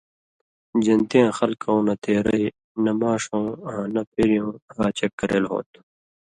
(جنتیاں خلکؤں نہ تېرئ) نہ ماݜؤں آں نہ پېریؤں ہا چک کرېل ہو تُھو۔